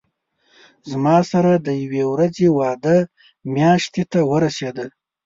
زما سره د یوې ورځې وعده میاشتې ته ورسېده.